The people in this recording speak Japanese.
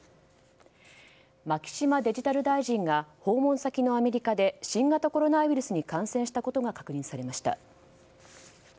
牧島デジタル大臣が訪問先のアメリカで新型コロナウイルスに感染したことが確認されました。